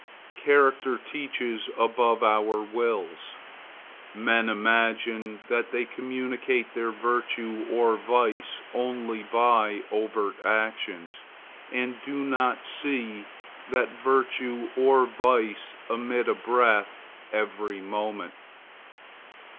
Character teaches above our wills. Men imagine that they communicate their virtue or vice only by overt actions, and do not see that virtue or vice emit a breath every moment.